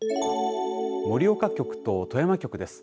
盛岡局と富山局です。